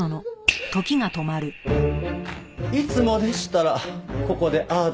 いつもでしたらここでああだ